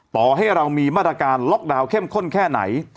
ต่อให้เรามีมาตรการล็อกดาวน์เข้มข้นแค่ไหน